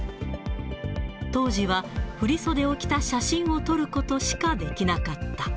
当時は振り袖を着た写真を撮ることしかできなかった。